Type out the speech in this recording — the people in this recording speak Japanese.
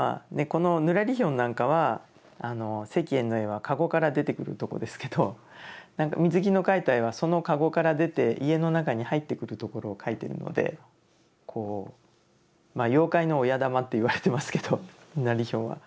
このぬらりひょんなんかは石燕の絵は駕籠から出てくるとこですけど水木の描いた絵はその駕籠から出て家の中に入ってくるところを描いてるのでまあ妖怪の親玉っていわれてますけどぬらりひょんは。